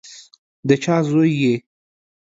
د چا زوی یې؟